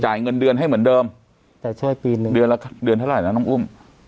เงินเดือนให้เหมือนเดิมจ่ายช่วยปีหนึ่งเดือนละเดือนเท่าไหร่นะน้องอุ้ม